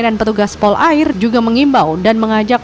dan petugas pol air juga mengimbau dan mengajak